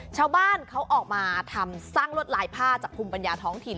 ชาวบ้านเขาออกมาทำสร้างลวดลายผ้าจากภูมิปัญญาท้องถิ่น